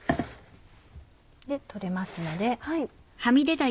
取れますので。